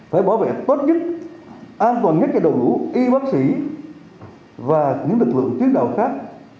phải bảo vệ tốt nhất an toàn nhất cho đội ngũ y bác sĩ và những lực lượng tuyến đầu khác